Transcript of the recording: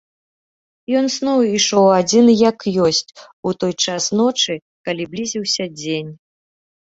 Ён зноў ішоў адзін як ёсць у той час ночы, калі блізіўся дзень.